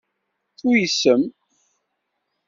Tuysem.